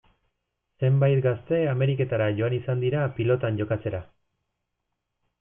Zenbait gazte Ameriketara joan izan dira pilotan jokatzera.